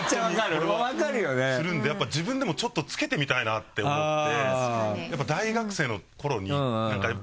本当にこれはするんでやっぱ自分でもちょっとつけてみたいなって思って。